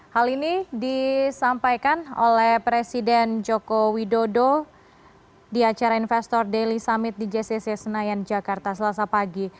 hal ini disampaikan oleh presiden joko widodo di acara investor daily summit di jcc senayan jakarta selasa pagi